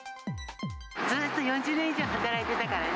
ずっと４０年以上働いてたからね。